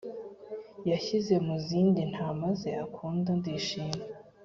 yanshyize mu zindi ntama ze akunda ndishima